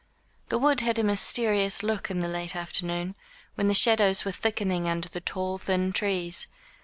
The wood had a mysterious look in the late afternoon, when the shadows were thickening under the tall thin trees.